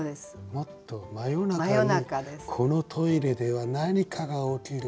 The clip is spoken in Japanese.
もっと真夜中にこのトイレでは何かが起きる。